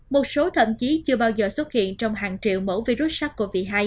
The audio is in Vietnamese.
một số thậm chí chưa bao giờ xuất hiện trong hàng triệu mẫu virus sars cov hai